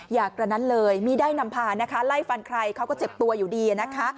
กระนั้นเลยมีได้นำพานะคะไล่ฟันใครเขาก็เจ็บตัวอยู่ดีนะคะ